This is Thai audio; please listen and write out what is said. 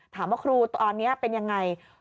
ถามว่าครูตอนนี้เป็นยังไง